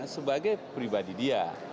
sebagai pribadi dia